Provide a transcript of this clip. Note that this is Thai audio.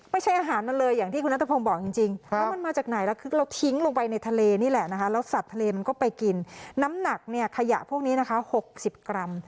ไม่ใช่อาหารมาเลยร้อยห้าสิบแปดชิ้นอ่ะ